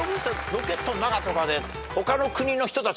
ロケットの中とかで。